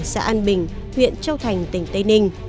xã an bình huyện châu thành tỉnh tây ninh